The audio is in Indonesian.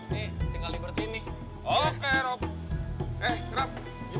nyiksa banget sih lo jadi orang